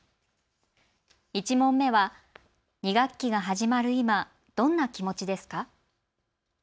１問目は２学期が始まる今、どんな気持ちですか？